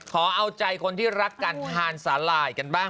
ขอเอาใจคนที่รักการทานสาหร่ายกันบ้าง